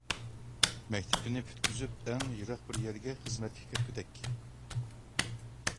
مەكتىپىنى پۈتكۈزۈپ ئەڭ يىراق بىر يەرگە خىزمەتكە كەتكۈدەك.